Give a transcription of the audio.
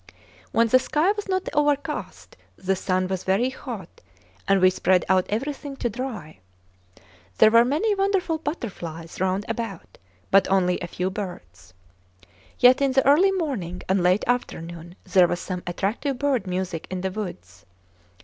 When the sky was not overcast the sun was very hot, and we spread out everything to dry. There were many wonderful butterflies round about, but only a few birds. Yet in the early morning and late afternoon there was some attractive bird music in the woods.